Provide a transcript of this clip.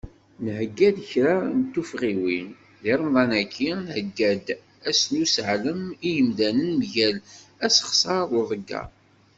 Nhegga-d kra n tufɣiwin, di Remḍa-agi, nhegga-d ass n useɛlem i yimdanen mgal asexser d uḍegger.